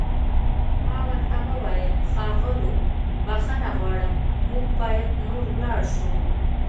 ما ورته وویل: ښاغلو، بښنه غواړم موږ باید نور ولاړ شو.